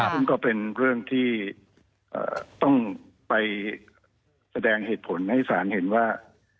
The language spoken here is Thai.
ซึ่งก็เป็นเรื่องที่ต้องไปแสดงเหตุผลให้ศาลเห็นว่า